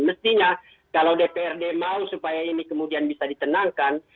mestinya kalau dprd mau supaya ini kemudian bisa ditenangkan